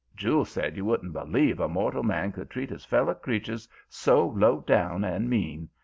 Jule said you wouldn't believe a mortal man could treat his feller creatures so low down and mean.